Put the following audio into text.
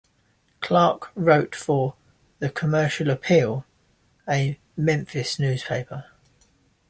Clark wrote for "The Commercial Appeal", a Memphis newspaper.